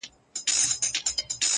اکثریت یې د ننګرهار، وردګو